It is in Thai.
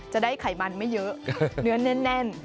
ไขมันไม่เยอะเนื้อแน่น